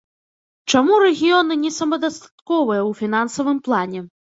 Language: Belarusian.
Чаму рэгіёны не самадастатковыя ў фінансавым плане?